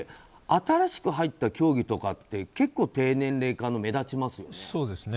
新しく入った競技とかって結構、低年齢化が目立ちますよね。